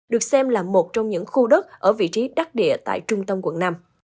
được xem là một trong những khu đất ở vị trí đắc địa tại trung tâm quận năm